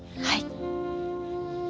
はい。